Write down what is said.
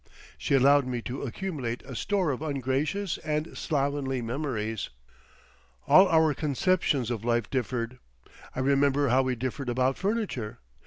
She allowed me to accumulate a store of ungracious and slovenly memories.... All our conceptions of life differed. I remember how we differed about furniture.